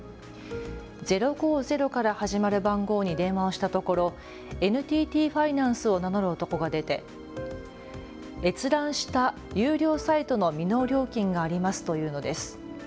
０５０から始まる番号に電話をしたところＮＴＴファイナンスを名乗る男が出て、閲覧した有料サイトの未納料金がありますと言うのです。